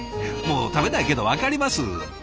もう食べないけど分かります。